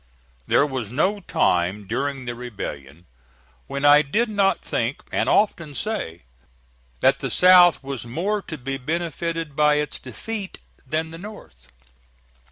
There was no time during the rebellion when I did not think, and often say, that the South was more to be benefited by its defeat than the North.